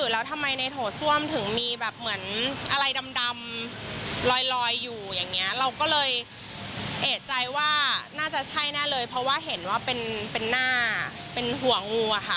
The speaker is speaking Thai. แล้วก็กัดเขาที่ก้นของน้อง